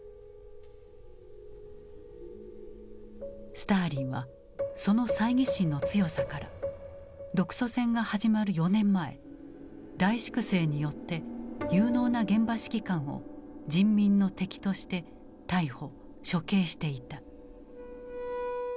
スターリンはその猜疑心の強さから独ソ戦が始まる４年前大粛清によって有能な現場指揮官を「人民の敵」として逮捕処刑していた。